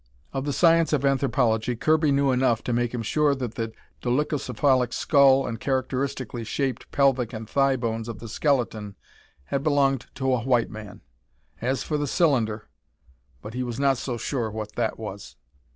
Of the science of anthropology Kirby knew enough to make him sure that the dolicocephalic skull and characteristically shaped pelvic and thigh bones of the skeleton had belonged to a white man. As for the cylinder But he was not so sure what that was.